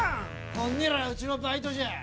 こんにらうちのバイトじゃ！